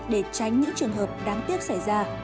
để tránh những trường hợp đáng tiếc xảy ra